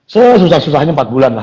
sesusah susahnya empat bulan lah